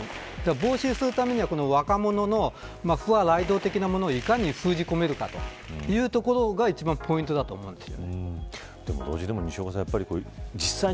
防止するためには、若者の付和雷同的なものをいかに封じ込めるかというところが一番ポイントです。